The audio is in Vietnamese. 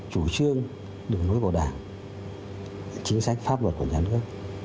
chủ trương đồng hối của đảng chính sách pháp luật của nhân cơ